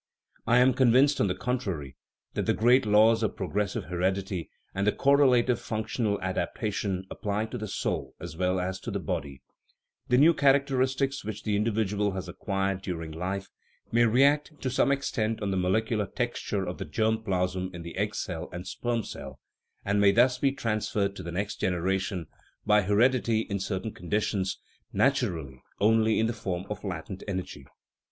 I am convinced, on the contrary, that the great laws of progressive heredity and of the correlative functional adaptation apply to the soul as well as to the body. The new characteristics which the individual has acquired during life may react to some extent on the molecular texture of the germ plasm in the egg cell and sperm cell, and may thus be transferred to the next generation by heredity in * Law of individual variation. Vide Natural History of Cre ation. 141 THE RIDDLE OF THE UNIVERSE certain conditions (naturally, only in the form of latent energy).